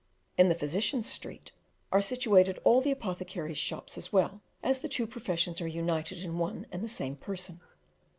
In the physician's street are situated all the apothecaries' shops as well, as the two professions are united in one and the same person.